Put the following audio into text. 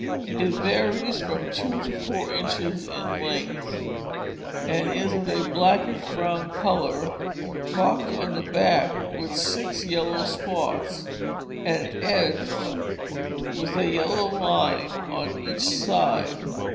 It varies from two to four inches in length, and is of a blackish brown colour, marked on the back with six yellow spots, and edged with a yellow line on each side.